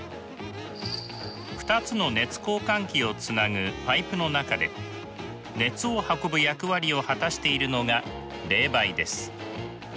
２つの熱交換器をつなぐパイプの中で熱を運ぶ役割を果たしているのが冷媒です。